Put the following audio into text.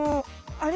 あれ。